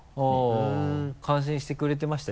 感心してくれてました？